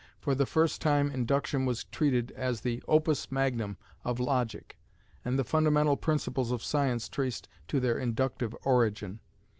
For the first time induction was treated as the opus magnum of logic, and the fundamental principles of science traced to their inductive origin.